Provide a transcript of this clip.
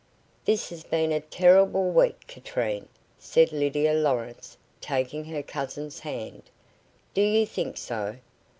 "This has been a terrible week, Katrine," said Lydia Lawrence, taking her cousin's hand. "Do you think so?"